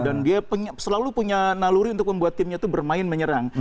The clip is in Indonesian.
dan dia selalu punya naluri untuk membuat timnya itu bermain menyerang